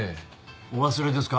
お忘れですか？